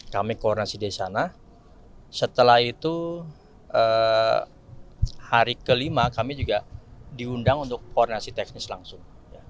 kami koordinasi dari sana setelah itu hari kelima kami juga diundang untuk koordinasi teknis langsung